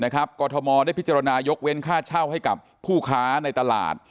กรทมได้พิจารณายกเว้นค่าเช่าให้กับผู้ค้าในตลาด